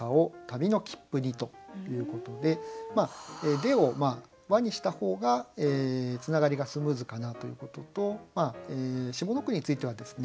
「で」を「は」にした方がつながりがスムーズかなということと下の句についてはですね